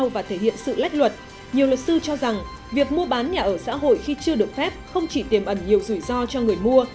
việc mua bán nhà ở xã hội khi chưa được phép không chỉ tiềm ẩn nhiều rủi ro cho người mua